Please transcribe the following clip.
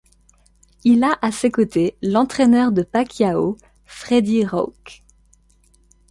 Il a à ses côtés l'entraineur de Pacquiao, Freddie Roach.